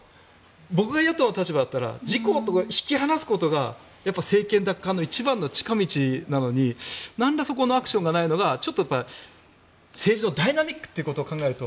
僕が野党の立場だったら自公を引き離すことが政権奪還の一番の近道なのになんらそこのアクションがないのが政治のダイナミックということを考えると